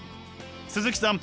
鈴木さん